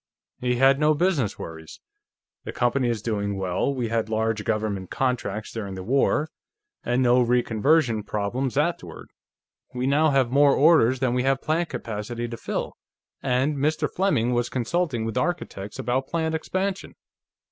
He had no business worries. The company is doing well, we had large Government contracts during the war and no reconversion problems afterward, we now have more orders than we have plant capacity to fill, and Mr. Fleming was consulting with architects about plant expansion.